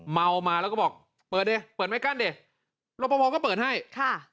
เมามาแล้วก็บอกเปิดดิเปิดไม่กั้นดิรปภก็เปิดให้ค่ะ